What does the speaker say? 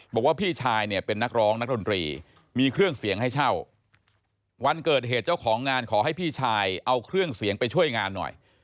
บอกว่าพี่ชายเนี่ยเป็นนักร้องนักดนตรีมีเครื่องเสียงให้เช่าวันเกิดเหตุเจ้าของงานขอให้พี่ชายเอาเครื่องเสียงไปช่วยงานหน่อย